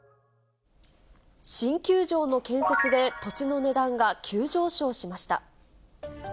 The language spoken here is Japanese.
新球場の建設で土地の値段が急上昇しました。